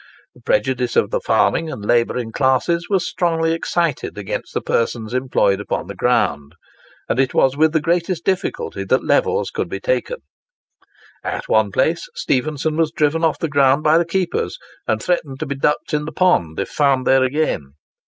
The prejudices of the farming and labouring classes were strongly excited against the persons employed upon the ground, and it was with the greatest difficulty that the levels could be taken. At one place, Stephenson was driven off the ground by the keepers, and threatened to be ducked in the pond if found there again.